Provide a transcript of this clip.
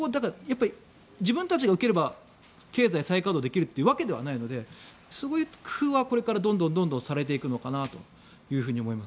自分たちが受ければ経済再稼働できるというわけではないのでそういう工夫はこれからどんどんされていくのかなと思います。